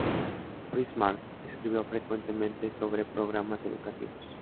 Price-Mars escribió frecuentemente sobre programas educativos.